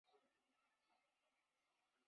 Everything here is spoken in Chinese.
拉兹奎耶。